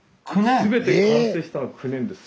全て完成したのは９年です。